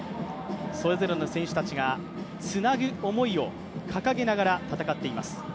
それぞれの選手たちがつなぐ思いを掲げながら戦っています。